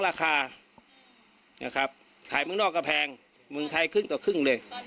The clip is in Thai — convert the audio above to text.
ราคาขายขายเมื่องหน้ากระแผงคลึกหัวขึ้นเลย